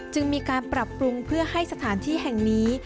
จึงมีการปรับปรุงเพื่อให้สถานที่แห่งนี้